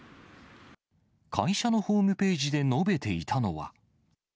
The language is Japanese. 会社のホームページで述べていたのは。